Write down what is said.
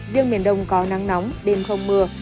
riêng miền đông có nắng nóng đêm không mưa